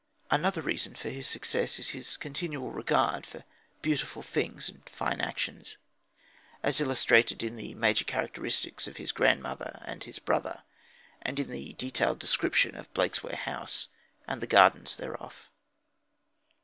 Another reason of his success is his continual regard for beautiful things and fine actions, as illustrated in the major characteristics of his grandmother and his brother, and in the detailed description of Blakesware House and the gardens thereof.